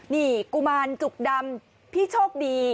นี่กุมารจุกดำพี่โชคดี